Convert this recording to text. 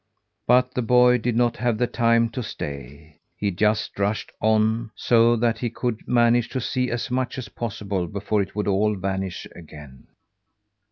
But the boy did not have the time to stay. He just rushed on, so that he could manage to see as much as possible before it would all vanish again.